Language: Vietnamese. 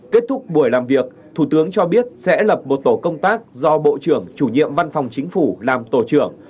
kết thúc buổi làm việc thủ tướng cho biết sẽ lập một tổ công tác do bộ trưởng chủ nhiệm văn phòng chính phủ làm tổ trưởng